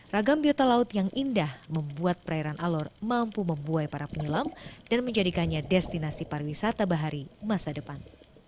ragam biota laut yang indah membuat perairan alor mampu membuai para penyelam dan menjadikannya destinasi pariwisata bahari masa depan